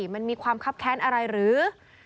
มันมีความคับแค้นอะไรหรือ